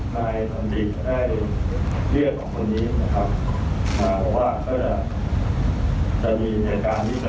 แล้วก็ที่๘ต่อเมืองคนนี้ก็มารอที่จุดเฉยเวียบ